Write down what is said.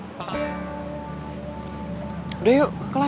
gak ngeselin gitu ya udah gimana